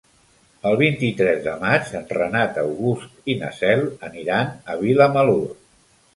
El vint-i-tres de maig en Renat August i na Cel aniran a Vilamalur.